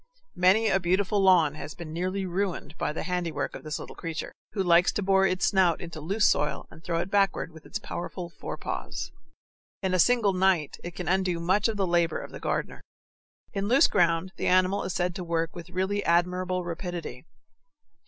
Many a beautiful lawn has been nearly ruined by the handiwork of this little creature, who likes to bore its snout into loose soil and throw it backward with its powerful forepaws. In a single night it can undo much of the labor of the gardener. In loose ground the animal is said to work with really admirable rapidity.